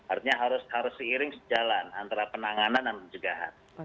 artinya harus seiring sejalan antara penanganan dan pencegahan